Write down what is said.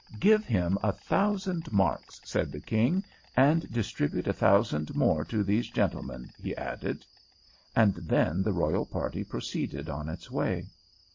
"Give him a thousand marks," said the King, "and distribute a thousand more to these gentlemen," he added. And then the royal party proceeded on its way.